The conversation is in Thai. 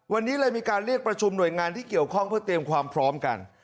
วันนี้เลยมีการเรียกประชุมหน่วยงานที่เกี่ยวข้องเพื่อเตรียมความพร้อมกัน